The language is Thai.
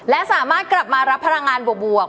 และสามารถกลับมารับพลังงานบวก